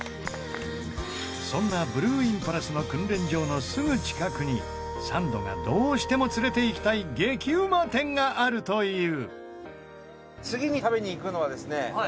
そんなブルーインパルスの訓練場のすぐ近くにサンドがどうしても連れて行きたい激うま店があるという伊達：次に食べに行くのはですね